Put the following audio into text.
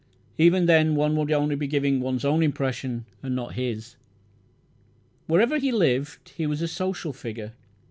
Even then, one would be giving one's own impressions and not his. Wherever he lived he was a social figure.